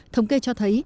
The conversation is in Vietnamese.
thống kê cho thấy